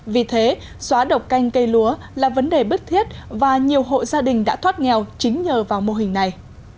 vì thế xóa độc canh cây lúa là vấn đề bức thiết và nhiều hộ gia đình đã thoát nghèo chính nhờ vào mô hình này